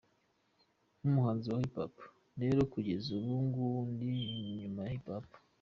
Nk’umuhanzi wa Hip Hop rero kugeza ubu ngubu ndi inyuma ya Hip Hop.